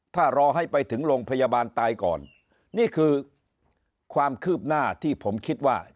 ถ้ารอให้ไปถึงโรงพยาบาลตายก่อนนี่คือความคืบหน้าที่ผมคิดว่า